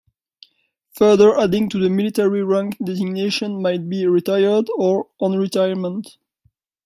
Further adding to the military rank designation might be "retired" or "on retirement".